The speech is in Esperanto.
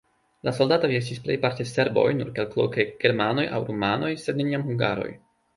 La soldatoj estis plejparte serboj, nur kelkloke germanoj aŭ rumanoj, sed neniam hungaroj.